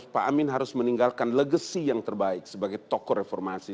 pak amin harus meninggalkan legacy yang terbaik sebagai tokoh reformasi